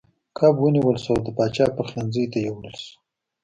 کب ونیول شو او د پاچا پخلنځي ته یووړل شو.